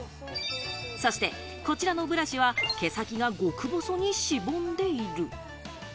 そして、こちらのブラシは毛先が極細にしぼんでいる。